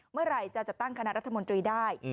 เมื่อไหร่จะตั้งคณะรัฐมนตรีได้